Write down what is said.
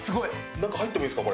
中入ってもいいですかこれ。